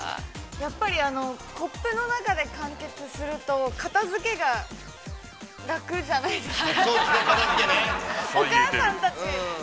◆やっぱりコップの中で完結すると片づけが楽じゃないですか。